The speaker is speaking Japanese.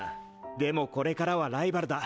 でもこれからはライバルだ。